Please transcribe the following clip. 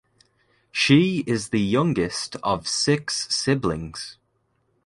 She is the youngest of six siblings.